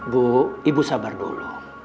bu ibu sabar dulu